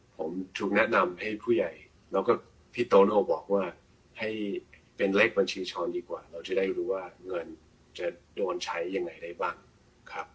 ผมถูกแนะนำให้ผู้ใหญ่แล้วก็พี่โตโน่บอกว่าให้เป็นเลขบัญชีช้อนดีกว่าเราจะได้รู้ว่าเงินจะโดนใช้ยังไงได้บ้างครับ